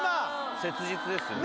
切実ですよね。